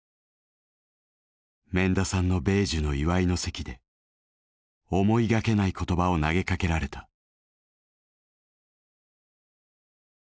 免田さんの米寿の祝いの席で思いがけない言葉を投げかけられた。